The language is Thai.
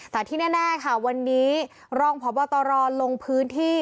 สาธิตแน่ค่ะวันนี้ร่องพตลลงพื้นที่